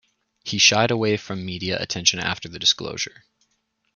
He shied away from media attention after the disclosure.